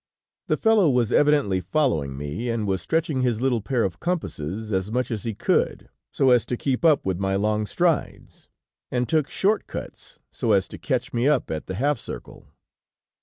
The fellow was evidently following me, and was stretching his little pair of compasses as much as he could, so as to keep up with my long strides, and took short cuts, so as to catch me up at the half circle.